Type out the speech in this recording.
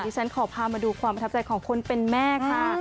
ฉันขอพามาดูความประทับใจของคนเป็นแม่ค่ะ